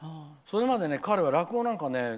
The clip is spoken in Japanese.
それまで彼は落語なんか。